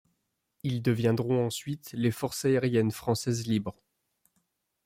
Ils deviendront ensuite les Forces aériennes françaises libres.